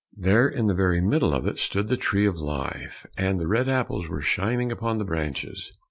There, in the very middle of it, stood the tree of life, and the red apples were shining upon the branches.